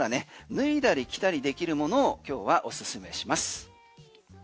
脱いだり着たりできるものを今日はおすすめします。